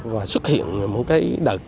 và xuất hiện một cái đợt